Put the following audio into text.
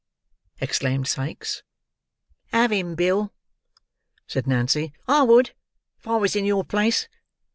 exclaimed Sikes. "Have him, Bill!" said Nancy. "I would, if I was in your place.